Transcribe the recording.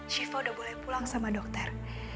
syifa udah boleh pulang sama dokter